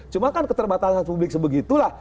cuma kan keterbatasan publik sebegitulah